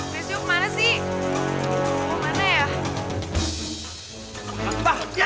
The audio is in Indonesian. lesyu kemana sih ke mana ya